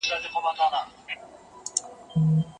ایا تکړه پلورونکي وچه میوه اخلي؟